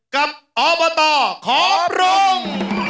กับอบตขอปรุง